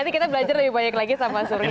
nanti kita belajar lebih banyak lagi sama surya ya